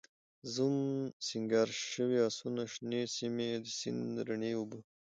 زوم، سینګار شوي آسونه، شنې سیمې، د سیند رڼې اوبه